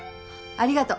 ありがと。